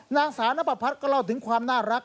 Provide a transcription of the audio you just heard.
นางสาวนปพัฒน์ก็เล่าถึงความน่ารัก